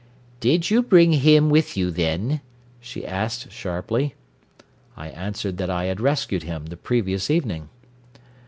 "Did you bring him with you, then?" she asked sharply. I answered that I had rescued him the previous evening.